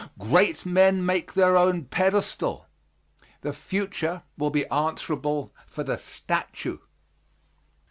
Great men make their own pedestal, the future will be answerable for the statue.